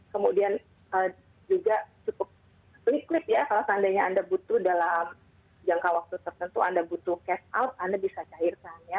kemudian juga cukup liquid ya kalau seandainya anda butuh dalam jangka waktu tertentu anda butuh cash out anda bisa cairkan ya